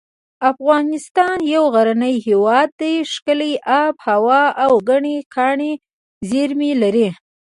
افغانستان یو غرنی هیواد دی ښکلي اب هوا او ګڼې کاني زیر مې لري